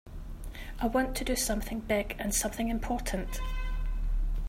I want to do something big and something important.